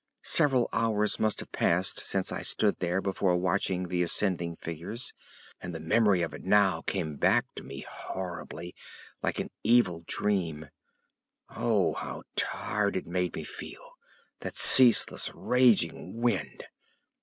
Several hours must have passed since I stood there before watching the ascending figures, and the memory of it now came back to me horribly, like an evil dream. Oh, how tired it made me feel, that ceaseless raging wind!